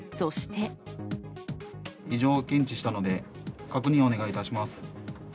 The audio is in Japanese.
異常を検知したので、確認をお願いいたします。